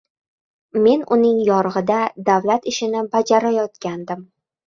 Men uning yorugʻida davlat ishini bajarayotgandim.